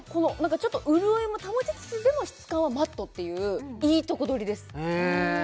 ちょっと潤いも保ちつつでも質感はマットっていういいとこ取りですへえ